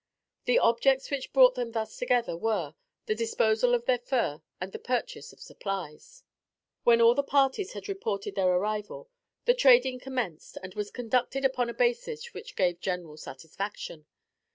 The objects which brought them thus together were, the disposal of their fur and the purchase of supplies. When all the parties had reported their arrival, the trading commenced and was conducted upon a basis which gave general satisfaction.